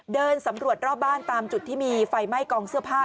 เดินสำรวจรอบบ้านตามจุดที่มีไฟไหม้กองเสื้อผ้า